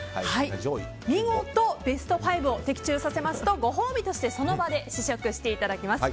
見事ベスト５を的中させますとご褒美としてその場で試食していただきます。